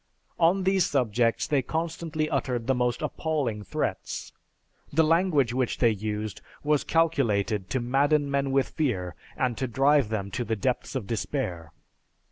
On these subjects, they constantly uttered the most appalling threats. The language which they used was calculated to madden men with fear and to drive them to the depths of despair.